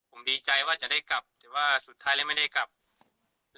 ผมดีใจว่าจะได้กลับแต่ว่าสุดท้ายแล้วไม่ได้กลับ